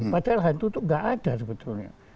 padahal hantu tuh gak ada sebetulnya